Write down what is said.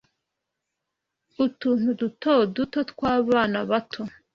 Utuntu duto duto twabana bato